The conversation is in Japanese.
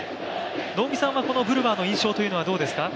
能見さんはこのブルワーの印象というのはどうですか？